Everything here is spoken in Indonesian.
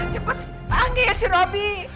cepet panggil si robi